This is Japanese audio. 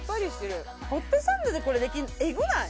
ホットサンドでこれできるのエグない？